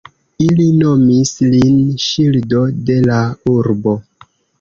Ili nomis lin "ŝildo de la urbo".